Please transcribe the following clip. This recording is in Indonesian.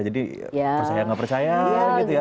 jadi saya nggak percaya gitu ya